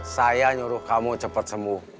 saya nyuruh kamu cepat sembuh